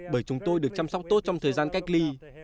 bởi chúng tôi được chăm sóc tốt trong thời gian cách ly